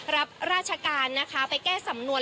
รับราชการนะคะไปแก้สำนวน